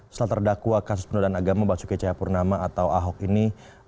selater dakwa kasus penuh dan agama basuke chayapurnama atau ahok ini